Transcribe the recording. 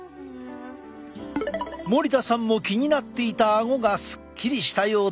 森田さんも気になっていたあごがすっきりしたようだ。